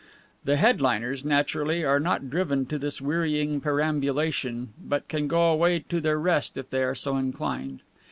The head liners, naturally, are not driven to this wearying perambulation, but can go away to their rest if they are so inclined.